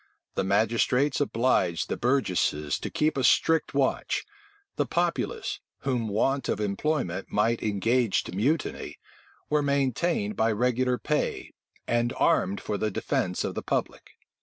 The magistrates obliged the burgesses to keep a strict watch: the populace, whom want of employment might engage to mutiny, were maintained by regular pay, and armed for the defence of the public.